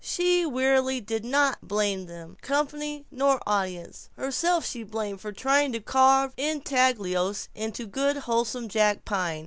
She wearily did not blame them, company nor audience. Herself she blamed for trying to carve intaglios in good wholesome jack pine.